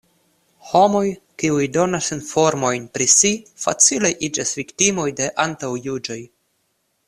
Homoj, kiuj donas informojn pri si, facile iĝas viktimoj de antaŭjuĝoj.